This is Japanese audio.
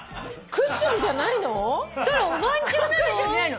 クッションじゃないの。